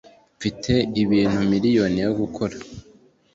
mfite ibintu miriyoni yo gukora